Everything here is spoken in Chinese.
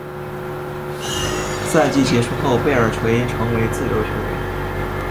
赛季结束后贝尔垂成为自由球员。